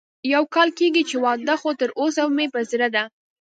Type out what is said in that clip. يو کال کېږي چې واده خو تر اوسه مې په زړه ده